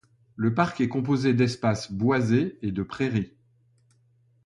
Le parc est composé d'espaces boisés et de prairies.